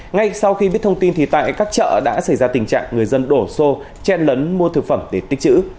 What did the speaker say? ngay sau khi biết thông tin thì tại các chợ đã xảy ra tình trạng người dân đổ xô chen lấn mua thực phẩm để tích trữ